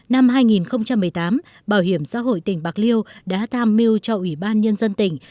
năm hai nghìn một mươi tám bảo hiểm xã hội tỉnh bạc liêu đã tham mưu cho ủy ban nhân dân tỉnh